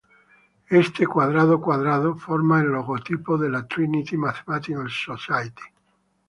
Este "cuadrado cuadrado" forma el logotipo de la Trinity Mathematical Society.